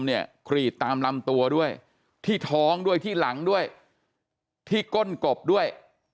กรีดตามลำตัวด้วยที่ท้องด้วยที่หลังด้วยที่ก้นกบด้วย